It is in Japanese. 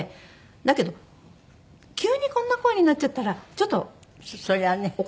だけど急にこんな声になっちゃったらちょっとおかしいじゃないですか。